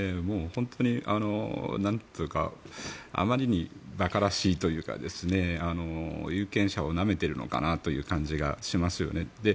本当に、なんというかあまりに馬鹿らしいというか有権者をなめているのかなという感じがしますよね。